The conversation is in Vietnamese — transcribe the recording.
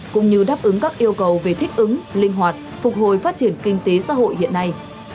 cũng như đáp ứng các yêu cầu về thích ứng linh hoạt phục hồi phát triển kinh tế xã hội hiện nay